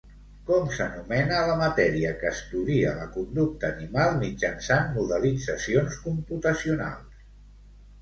Com s'anomena la matèria que estudia la conducta animal mitjançant modelitzacions computacionals?